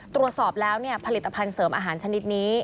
ตรวจสอบแล้วผลิตภัณฑ์เสริมอาหารชนิดนี้